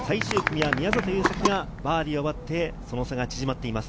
最終組は宮里優作がバーディーを奪って、その差が縮まっています。